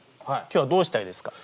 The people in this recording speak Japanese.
今日はどうしたいですか？